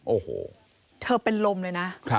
โอ้โหเธอเป็นลมเลยนะ